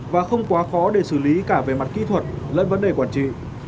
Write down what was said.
và không quá khó để xử lý cả về mặt kỹ thuật lẫn vấn đề quản trị